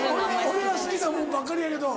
俺が好きなもんばっかりやけど。